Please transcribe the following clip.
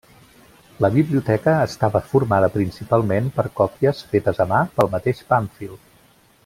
La biblioteca estava formada principalment per còpies fetes a mà pel mateix Pàmfil.